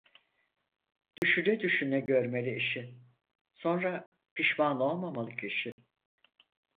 Düşüne düşüne görmeli işi, sonra pişman olmamalı kişi.